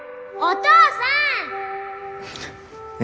お父さん！